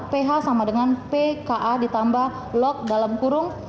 ph sama dengan pka ditambah log dalam kurung